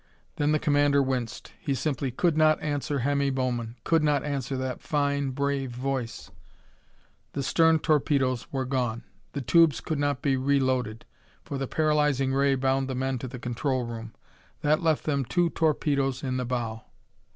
Then the commander winced. He simply could not answer Hemmy Bowman; could not answer that fine, brave voice.... The stern torpedoes were gone. The tubes could not be reloaded, for the paralyzing ray bound the men to the control room. That left them two torpedoes in the bow.